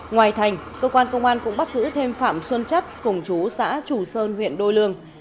ngoài thành cơ quan công an cũng bắt giữ thêm phạm xuân chất cùng chú xã chù sơn huyện đôi lương